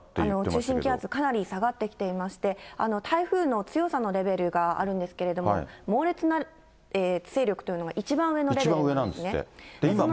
中心気圧、かなり下がってきていまして、台風の強さのレベルがあるんですけれども、猛烈な勢力というのが一番上のレベルなんですね。